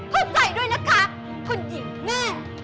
เข้าใจด้วยนะคะคนอย่างแม่